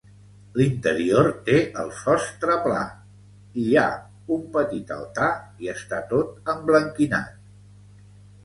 L'interior té el sostre pla, hi ha un petit altar i està tot emblanquinat.